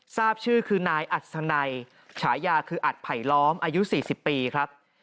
ทราบชื่อคือนายอัศนัยฉายาคืออัดไผลล้อมอายุ๔๐ปีครับ